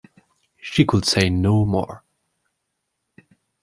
She could say no more.